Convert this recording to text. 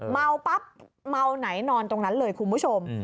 เมาปั๊บเมาไหนนอนตรงนั้นเลยคุณผู้ชม